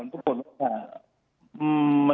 เราจะทำอะไร